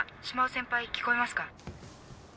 島尾先輩聞こえますか？